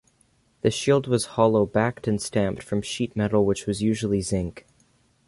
The shield was hollow backed and stamped from sheet metal which was usually zinc.